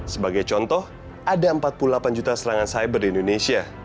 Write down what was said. sebagai contoh ada empat puluh delapan juta serangan cyber di indonesia